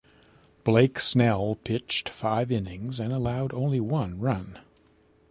Blake Snell pitched five innings and allowed only one run.